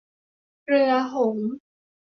เรือหงส์